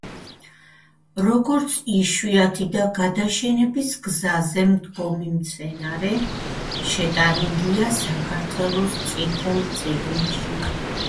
როგორც იშვიათი და გადაშენების გზაზე მდგომი მცენარე, შეტანილია საქართველოს „წითელ წიგნში“.